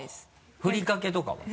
ふりかけとかも？